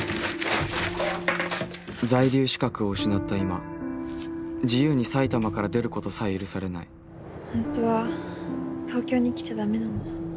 在留資格を失った今自由に埼玉から出ることさえ許されない本当は東京に来ちゃ駄目なの。